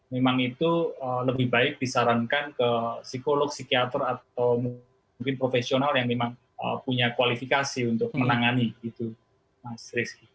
memang itu lebih baik disarankan ke psikolog psikiater atau mungkin profesional yang memang punya kualifikasi untuk menangani itu mas rizky